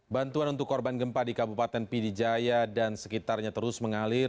bantuan untuk korban gempa di kabupaten pidijaya dan sekitarnya terus mengalir